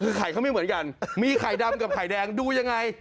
คือไข่เขาไม่เหมือนกันมีไข่ดำกับไข่แดงดูยังไง